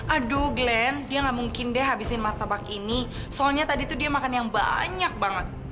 aduh glenn dia nggak mungkin deh habisin martabak ini soalnya tadi tuh dia makan yang banyak banget